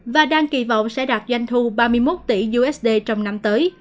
và đang kỳ vọng sẽ đạt doanh thu ba mươi một tỷ usd trong năm tới